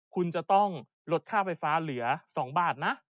คุณจะต้องลดค่าไฟฟ้าเหลือ๒บาทนะ